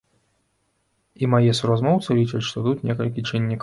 І мае суразмоўцы лічаць, што тут некалькі чыннікаў.